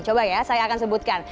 coba ya saya akan sebutkan